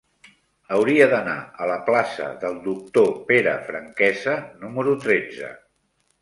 Hauria d'anar a la plaça del Doctor Pere Franquesa número tretze.